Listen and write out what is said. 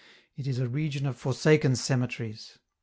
It is a region of forsaken cemeteries.